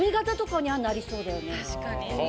確かに。